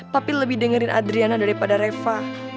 tapi lebih dengerin adriana daripada reva